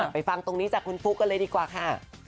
ฟังตรงนี้จากคุณฟุ๊กกันเลยดีกว่าค่ะ